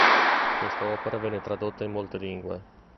Questa opera venne tradotta in molte lingue.